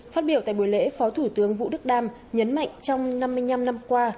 phát biểu tại buổi lễ phó thủ tướng vũ đức đam nhấn mạnh trong năm mươi năm năm qua